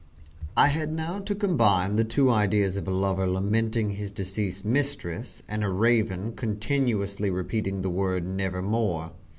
I had now to combine the two ideas of a lover lamenting his deceased mistress and a Raven continuously repeating the word "Nevermore."